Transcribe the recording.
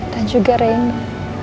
dan juga reina